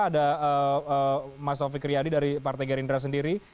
ada mas taufik riyadi dari partai gerindra sendiri